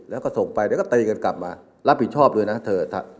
แล้วก็ส่งไปเดี๋ยวก็ตีกันกลับมารับผิดชอบด้วยนะเธอ